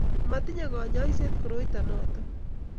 matinye kanyoiset koroito noto